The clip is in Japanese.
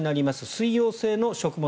水溶性の食物